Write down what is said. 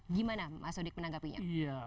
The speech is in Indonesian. gimana mas odik menanggapinya